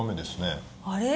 あれ？